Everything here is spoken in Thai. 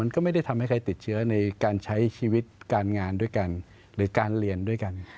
ก็ไม่ได้ทำให้ใครติดเชื้อในการใช้ชีวิตการงานด้วยกันหรือการเรียนด้วยกัน